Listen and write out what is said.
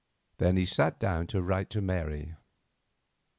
Then he sat down to write to Mary.